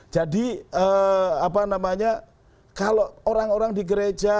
jadi kalau orang orang di gereja